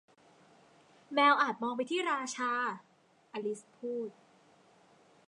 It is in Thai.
แมวอาจมองไปที่ราชา อลิซพูด